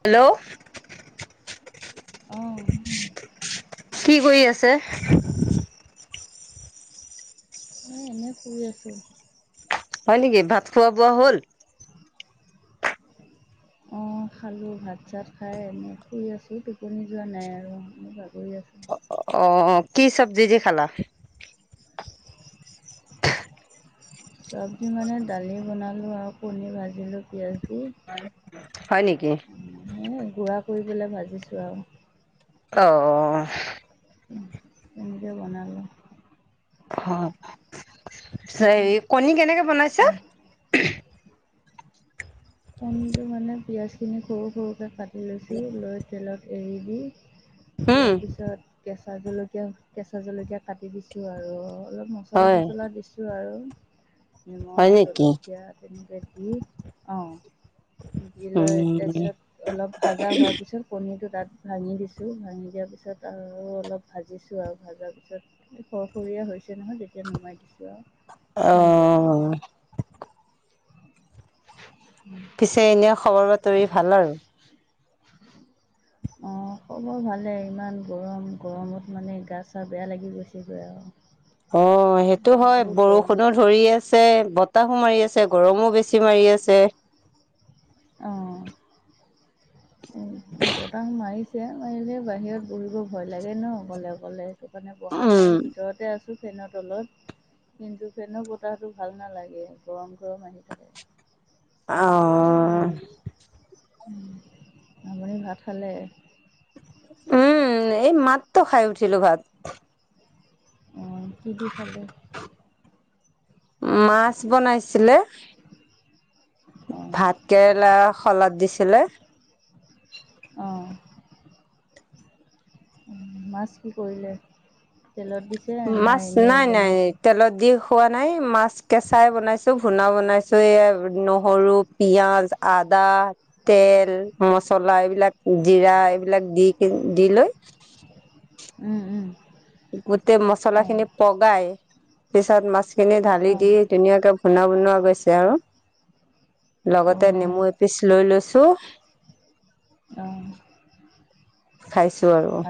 Hello. অঁ কি কৰি আছে? মই এনে শুই আছোঁ। হয় নেকি, ভাত খোৱা বোৱা হ'ল? [unintelligible] খালো ভাত চাত খাই এনে শুই আছো টোপনি যোৱা নাই আৰু মই এনে বাগৰি আছোঁ। অ কি চব্জি দি খালা? চব্জি মানে দালি বনালোঁ আৰু কণী ভাজিলোঁ পিঁয়াজ দি। হয় নেকি। পুৰি পেলাই ভাজিছোঁ আৰু অ তেনেকে বনালো। অ পিছে হেৰি কণী কেনেকে বনাইছে। আৰু কণীটো মানে পিয়াঁজ খিনি সৰু সৰুকে কাটি লৈছো লৈ তেলত এৰি দি। উম দিয়াৰ পিছত কেঁচা জলকীয়া কেঁচা জলকীয়া কাটি দিছোঁ আৰু অলপ মছলা হয় চছলা দিছোঁ আৰু হয় নিমখ নেকি জলকীয়া তেনেকৈ দি অ, দি লৈ উম তাৰপিছত অলপ ভাজা হোৱা পিছত কনীটো তাত, ভাঙি দিছো ভাঙি দিয়া পিছত আৰু অলপ ভাজিছো আৰু ভাজা পিছত সৰ সৰীয়া। হৈছে নহয় যেতিয়া নমাই দিছো আৰু তেনেকৈ বনাইছোঁ অ [inaudible] পিছে এনে খবৰ বাতৰি ভাল আৰু অ, খবৰ ভালে ইমান গৰম গৰমত মানে গা চা বেয়া লাগি গৈছেগৈ আৰু অ সেইটো হয় বহুত গৰম বৰষুণো ধৰি আছে। বতাহো মাৰি আছে গৰমো বেছি মাৰি আছে। অ উ বতাহ মাৰিছ চতি মাৰিলে বাহিৰত বহিব ভয় লাগে ন অকলে অকলে সেইটো কাৰণে বঢ়া উম নাই ভিতৰতে আছো। টো ফেনৰ তলত, কিন্তু ফেন বতাহটো ভাল নালাগে গৰম গৰম আহি থাকে। আহ আপুনি ভাত খালে? উম এই মাত্ৰ খাই উঠিলো ভাত। অঁ কি দি খালে? মাছ বনাইছিলে। অঁ ভাত কেৰেলা শলাদ দিছিলে। অঁ মাছ কি কৰিলে? তেলত দিছে মাছ এনেই নাই নাই বনাইছে? তেলত দি খোৱা নাই মাছ কেঁচাই বনাইছোঁ ভূণা বনাইছোঁ এই নহৰু পিয়াঁজ আদ আদা তেল মচলা এইবিলাক জিৰা এইবিলাক দি দি লৈ [unintelligible] উম উম গোটেই মছলা অঁ খিনি পগাই পিছত মাছখিনি ঢালি অঁ দি ধুনীয়াকে শুনা বনোৱা গৈছে আৰু লগতে অঁ নেমু এপিচ লৈ লৈছো চো আহ খাইছো আৰু,,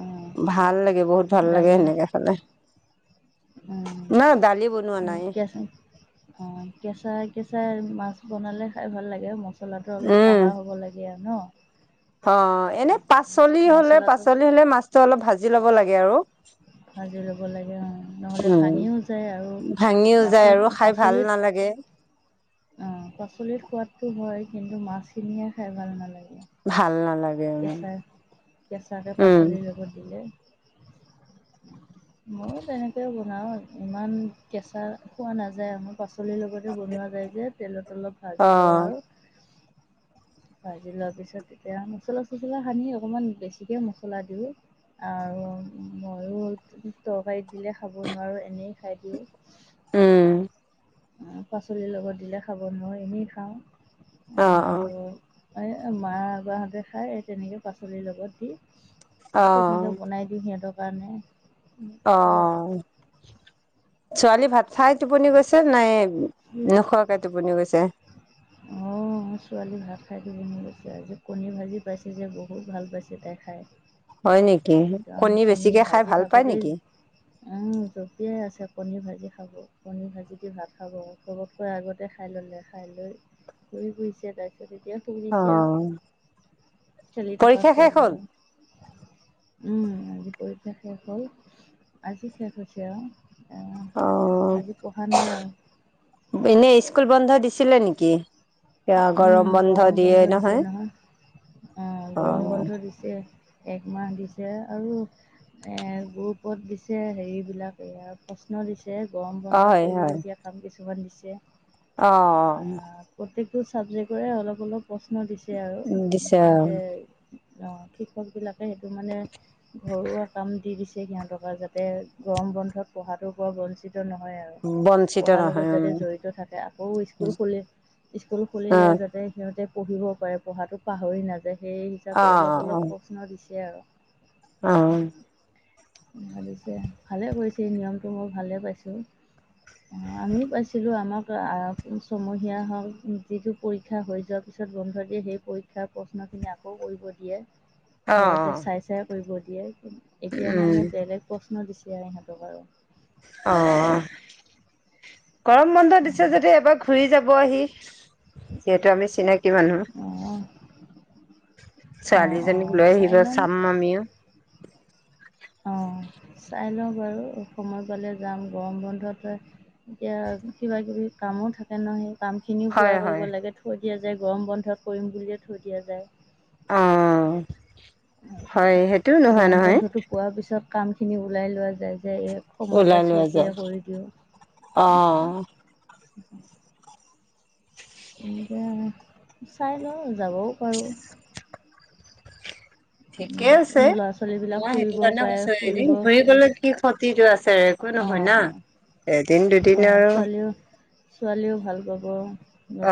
অঁ ভাল লাগে বহুত ভাল লাগে সেনেকে খালে। ন দালি বনোৱা উ নাই কেচা অ কেঁচা ছাৰ মাছ বনালে খাই ভাল লাগে মছলাটো অলপ উম কাহা হ'ব লাগে আৰু ন? অ এনে পাচলি হলে মছলাটো পাচলি হলে মাছটো অলপ ভাজি ল'ব লাগে আৰু ভাজি ল'ব লাগে অ নহ'লে উ ভাঙিও যায় আৰু ভাঙিও যায় মাছত আৰু খাই ভাল পাচলিত নালাগে। উ [unintelligible] অ' পাচলিৰ সোৱাদটো হয় কিন্তু মাছখিনিয়ে খাই ভাল নালাগে। ভাল নালাগে আৰু কেঁচা কেঁচাকে উম পাচলিৰ লগত দিলে। মই তেনেকে বনাও ইমান কেঁচা খোৱা নাযায় আমাক, পাচলিৰ লগতে বনোৱা যায় যে তেলত অলপ অ ভাজি লওঁ আৰু [inaudible] ভাজি লোৱাৰ পিছত এতিয়া মছলা চছলা সানি অকমান বেছিকে মছলা দিওঁ। আৰু মইও তৰকাৰীত দিলে খাব নোৱাৰোঁ এনেই খাই দিওঁ। উম। পাচলিৰ লগত দিলে খাব নোৱাৰো এনেই খাওঁ। অ', অ'। মাগাহঁতে খায় এই তেনেকৈ পাচলিৰ লগত অ দি। তেনেকে বনাই দিওঁ সিহঁতৰ কাৰণে। অ খাওঁ আৰু। ছোৱালী ভাত খাই টোপনি গৈছে নাই, নোখোৱাকে টোপনি গৈছে। [inaudible] অ', ছোৱালী ভাত খাইটো জিনি লৈছে আৰু যে কণী ভাজি পাইছে যে বহুত ভাল পাইছে তাই খাই। হয় নেকি একদম কণী বেছিকে খাই ভাজি ভাল পায় থাকোতেই নেকি উম, জঁপিয়াই আছে। কনীৰ ভাজি খাব কনীৰ ভাজি দি ভাত খাব চবতকৈ আগতে খাই ল'লে, খাই লৈ ঘুৰি ফুৰিছে তাৰপিছত এতিয়া অ শুইদিছে খেলি থকা পৰীক্ষা শেষ ছোৱালী হ'ল আৰু। উম, পৰীক্ষা শেষ হ'ল আজি শেষ হৈছে আৰু। অ আজি পঢ়া নাই আৰু। এনে স্কুল বন্ধ দিছিলে নেকি? গৰম বন্ধ দিছে নহয়, অ', গৰম বন্ধ দিছে। একমাহ দিছে আৰু এ গ্ৰোপত দিছে হেৰি বিলাক এইাৰ প্ৰশ্ন দিছে যে গৰম অ বন্ধ কৰিবলগীয়া কাম কিছুমান দিছে। অ', অ'। প্ৰত্যেকটো ছাবজেক্টৰে অলপ অলপ প্ৰশ্ন দিছে আৰু দিছে আৰু সিহঁতে অ', শিক্ষক বিলাকে সেইটো মানে ঘৰুৱা কাম দি দিছে সিহঁতৰ যাতে গৰম বন্ধত পঢ়াটোৰ পৰাও বঞ্চিত নহয় আৰু বঞ্চিত পঢ়াৰ লগত নহয় যাতে উম, জড়িত থাকে আকৌ স্কুল খুলি স্কুল খুলিলে অ', যাতে সিহঁতে পঢ়িব পাৰে পঢ়াটো পাহৰি নাযায়। সেই হিচাপে অলপ, অ', অলপ প্ৰশ্ন দিছে আৰু অ'। ভাবিছে ভালে কৰিছে নিয়মটো মই ভালেই পাইছোঁ। অ', আমিও পাইছিলো আমাক ছমহীয়া হওক যিটো পৰীক্ষা হৈ যোৱাৰ পিছত বন্ধ দিয়ে সেই পৰীক্ষাৰ প্ৰশ্নখিনি আকৌ কৰিব দিয়ে। ঘৰতে অ', চাই চাই কৰিব দিয়ে এতিয়া উম, মানে বেলেগ বস্তু ন [unintelligible] দিছে ইহঁতক আৰু অ', গৰম বন্ধ দিছে যদি এবাৰ ঘূৰি যাব আহি। যিহেতু আমি চিনাকি মানুহ। অঁ অঁ ছোৱালীজনীক অঁ লৈ চাই আহিব ল'ম চাম আমিও। অঁ [unintelligible] চাই লওঁ বাৰু সময় পালে যাম গৰম বন্ধত এতিয়া কিবাকিবি কামো থাকে ন' সেই কামখিনিও পূৰা হয়, কৰিব হয়, লাগে থৈ দিয়া যায় গৰম বন্ধত কৰিম বুলিয়ে থৈ দিয়া যায়। অ'। হয়, সেইটোও নোহোৱা গৰম নহয় বন্ধটো পোৱাৰ পিছত কামখিনি ওলাই লোৱা যায়। যে সময় ওলাই পাইছোঁ লোৱা যায় এতিয়া কৰি দিওঁ, অ'। এনেকে চাই লওঁ যাবও পাৰোঁ। ঠিকে আছে ল'ৰা ছোৱালীবিলাক মই ফুৰিব সেইটো কাৰণে পাৰে কৈছো ফুৰিব এদিন অঁ ঘুৰিগলে কি ক্ষতিটো আছে নহয় অঁ না এদিন দুদিন আৰু [inaudible] ছোৱালীয়েও ভাল পাব।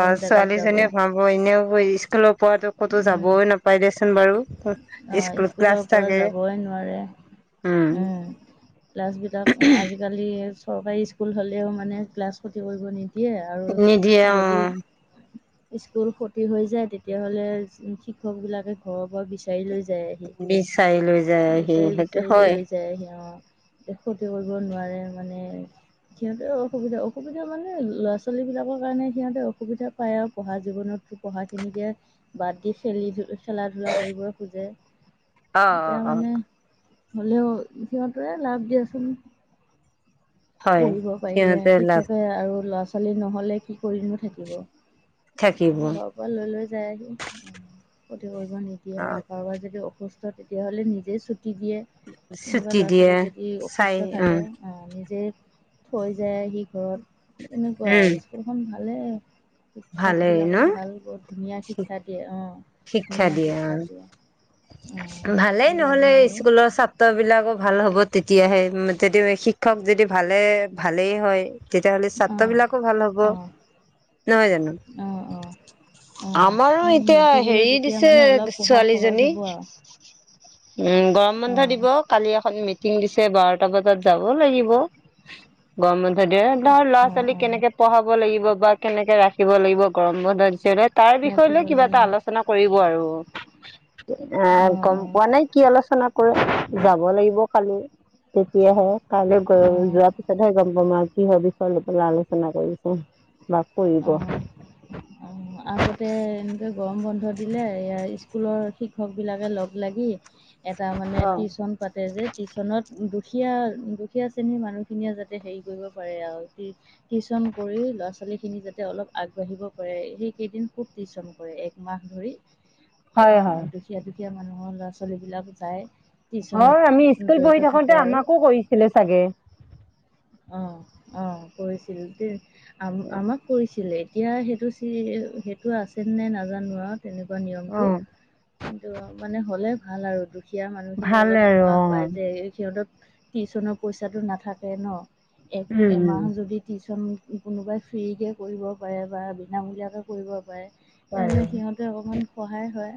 অ জেগাত যাব ছোৱালীজনীয়ে অঁ ভাব এনেও স্কুলৰ পৰাতো ক'তো যাবয় নাপাই দেচোন বাৰু। অহ স্কুল ক্লাছ স্কুলৰ পৰা থাকে যাবই নোৱাৰে। উম ক্লাছবিতাক আজিকালি চৰকাৰী স্কুল হ'লেও মানে ক্লাছ ক্ষতি কৰিব নি দিয়ে নিদিয়ে আৰু অ যদি। [inaudible] স্কুল ক্ষতি হৈ যায় তেতিয়াহ'লে শিক্ষক বিলাকে ঘৰৰ পৰা বিচাৰি লৈ যায়। আহি বিচাৰি লৈ যায় আহি বিচাৰি সেইটো বিচাৰি হয় লৈ যায় হি অ। ক্ষতি কৰিব নোৱাৰে মানে সিহঁতে অসুবিধা অসুবিধা মানে ল'ৰা ছোৱালী বিলাকৰ কাৰণে সিহঁতে অসুবিধা পায় আৰু পঢ়া জীৱনত পঢ়াখিনিকে বাদ দি খেলি খেলা ধূলা কৰিব খোজে অঁ অঁ এতিয়া অঁ। মানে হ'লেও সিহঁতে লাভ দিয়াচোন। হয় পঢ়িব পাৰিলে সিহঁতে লাভ শিক্ষকে আৰু ল'ৰা ছোৱালী নহ'লে কি কৰিনো থাকিব। থাকিব অ ঘৰৰ পৰা লৈ লৈ যায় আহি ক্ষতি কৰিব নিদিয়ে আৰু কাৰোবাৰ যদি। তেতিয়াহ'লে নিজে। দিয়ে কোনোবা ছুটি ল'ৰা দিয়ে ছোৱালী যদি চাই অসুস্থ উম থাকে নিজেই। থৈ যায় সি ঘৰত এনেকুৱা উম স্কুলখন ভালেই। শিক্ষক ভালেই ন বিলাকক ভাল বহ ধুনীয়া শিক্ষা দিয়ে অ। শিক্ষা দিয়া অঁ। অঁ ভালেই ভাল লাগে নহ'লে আৰু স্কুলৰ ছাত্ৰ বিলাকো ভাল হ হ'ব তেতিয়াহে তে শিক্ষক যদি ভালে ভালেই হয়। তেতিয়াাহ'লে ছাত্ৰ অঁ। বিলাকো ভাল হ'ব অঁ নহয় জানো,, অঁ অঁ অঁ আমাৰো এই এতিয়া মেট্ৰিকলৈ হেৰি তেতিয়া দিছে মানে অলপ পঢ়া সহজ ছোৱালীজনী হ'ব আৰু উম গৰম বন্ধ অঁ দিব কালি এখন মিটিং দিছে বাৰ বজাত যাব লাগিব গৰ হদ ধৰ ল'ৰা অঁ ছোৱালীক অঁ কেনেকে পঢ়াব লাগিব বা কেনেকে ৰাখিব লাগিব গৰম বন্ধৰচ তাৰ বিষয় ৰাখিব লৈ কিবা লাগিব এটা আলোচনা আৰু অঁ গম অঁ পোৱা নাই কি আলোচনা যাব লাগিব খালি তেতিয়াহে কাইলৈ গ অঁ। যোৱাৰ পিছতহে গম পাম আৰু। কি হবি ফাল প আলোচনা কৰিছো। অঁ অঁ আগতে এনেকৈ গৰম বন্ধ দিলে স্কুলৰ শিক্ষকবিলাকে লগ লাগি এটা মানে অ', টিউচন পাতে যে টিউচনত দুখীয়া দুখীয়া শ্ৰেণীৰ মানুহখিনিয়ে যাতে হেৰি কৰিব পাৰে আৰু টিউচন কৰি ল'ৰা ছোৱালী খখিনি যাতে অলপ আগবাঢ়িব পাৰে সেইকেইদিন খুব টিউশ্যন কৰে একমাহ ধৰি হয় আহ হয়। দুখীয়া দুখীয়া মানুহৰ ল'ৰা ছোৱালী বিলাক যায়। টিউচনত হয় আমি স্কুল জড়িত পঢ়ি থাকোতে থাকে আৰু আমাকো কৰিছিলে চাগে। অ অ কৰিছিল আ আমাক কৰিছিলে। এতিয়া সেইটো চি সেইটো আছে নে নাজানো আৰু। তেনেকুৱা অ' নিয়মতটো কিন্তু মানে হ'লে ভাল আৰু দু দুখীয়া মানুহখিনিয়ে ভাল অলপ আৰু সকাহ পায় অ'। যে সিহঁত টিউচনৰ পইচাটো নাথাকে ন? এক উম, উম এমাহ যদি টিউশ্যন কোনোবাই ফ্ৰীকৈ কৰিব পাৰে বা বিনামূলীয়াকৈ কৰিব পাৰে। বাৰু। তেতিয়াহ'লে সিহঁতে অকণমান সহায় হয়।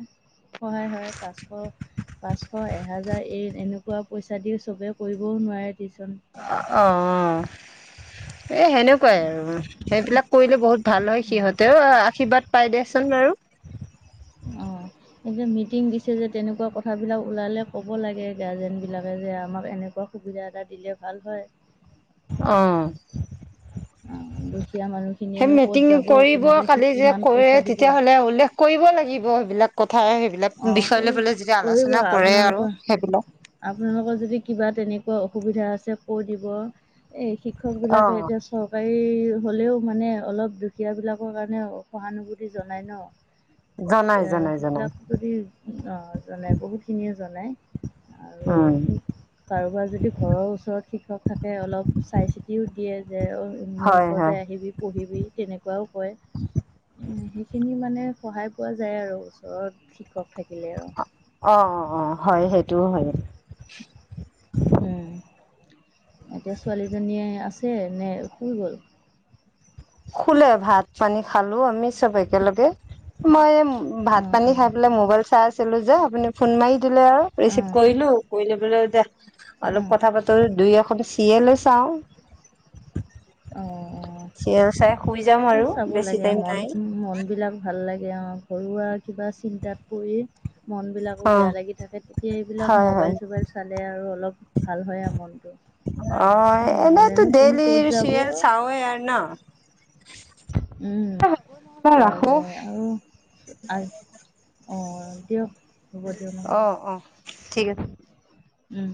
সহায় হয় পাঁচশ এহাজাৰ এই এনেকুৱা পইচা দি সবে কৰিব। ও নোৱাৰে টিচন। অঁ অঁ। এই সেনেকুৱাই আৰু সেইবিলাক কৰিলে বহুত ভাল হয় সিহঁতেও আশীৰ্বাদ পাই দে। বাৰু। অঁ। এতিয়া মিটিং দিছে যে তেনেকুৱা কথ বিলাক ওলালে ক'ব লাগে গাৰ্জেন বিলাকে যে আমাক এনে সুবিধা এটা দিলে ভাল হয়। অঁ। অঁ দুখীয়া সেই মানুহখিনিয়েনো ক'ত মিটিং যাব কৰিব কেনেকৈ কি কালি যে কিমান কৰে পইচা দিব তেতিয়াাহ'লে উল্লেখ কৰিব লাগিব। সেইবিলাক কথা সেইবিলাক অঁ বিষয় লৈ কৰি বলে যেতিয়া কৰিব আলোচনা কৰে আৰু আপোনালোকৰ সেইবিলাক আপোনালোকৰ যদি কিবা তেনেকা অসুবিধা আছে ক' দিব এই শিক্ষকিলাকে অ' এতিয়া চৰ হলেও মানে অলপ দুখীয়া বিলাকৰ কাৰণে সহানুভূতি জনাই ন। জনাই জনাই জনাই। অঁ, জনাই বহুত খিনিয়ে জনাই। উম আৰু কাৰোবাৰ যদি ঘৰৰ ওচৰত শিক্ষক থাকে অলপ চাই চিতিও দিয়ে। যে মোৰ হয় ওচৰতে হয়। আহিবি পঢ়িবি তেনেকুৱাও কয়। উ সেইখিনি মানে সহায় পোৱা যায় আৰু ওচৰত শিক্ষক থাকিলে আৰু অ অ অ হয় সেইটো হয়। উম। এতিয়া ছোৱালীজনীয়ে আছে নে শুই গ'ল। শুলে ভাত পানী খালো আমি চবে একেলগে মই, ভাত অঁ পানী অঁ খাই পেলাই মোবাইল চাই আছিলো যে আপুনি ফোন মাৰি দিলে আৰু ৰিচিভ অঁ কৰিলো কৰি ব এতি অলপ অঁ কথা পাতো দুই এখন চিয়ে লো চাওঁ, অ অ চিৰিয়েল চাই শুই যাম এ আৰু চাব বেছি লাগে টাইম মন নাই মন বিলাক ভাল লাগে। এতিয়া ঘৰুৱা কিবা চিন্তাত পৰি, মনবিলাকো অ বেয়া লাগি থাকে তেতিয়া এইবিলাক হয় হয় মোবাইল চোবাইল চালে আৰু অলপ ভাল হয় আৰু মনটো। অ এনেইতো নহ'লেনো কোন ডেইলি ক'ত যাব চিৰিয়েল চাওে আৰু ন। উ চোৱা ৰাখো যায় আৰু অঁ দিয়ক, হ'ব দিয়ক অ নহ'লে অ ঠিক আছে। উম